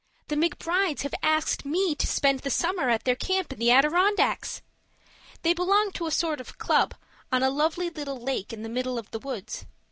The McBrides have asked me to spend the summer at their camp in the Adirondacks! They belong to a sort of club on a lovely little lake in the middle of the woods.